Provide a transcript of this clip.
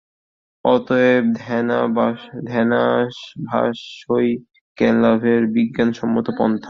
অতএব ধ্যানাভ্যাসই জ্ঞানলাভের বিজ্ঞানসম্মত পন্থা।